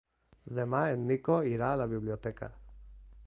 Demà en Nico irà a la biblioteca.